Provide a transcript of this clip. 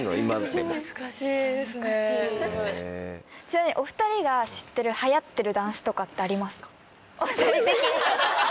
ちなみにお２人が知ってる流行ってるダンスとかってありますか？